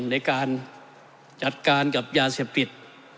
ในการจัดการกับยาเสพติด